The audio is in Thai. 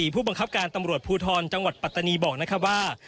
ผู้บังคับการตำรวจภูทรจังหวัดปัตตานีบอกนะครับว่า